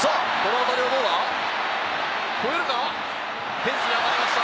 フェンスに当たりました！